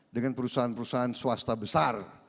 dengan perusahaan perusahaan swasta besar